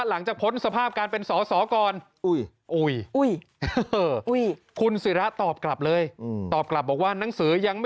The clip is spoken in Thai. ๕๐๐๖๐๐ล้านบาทเอง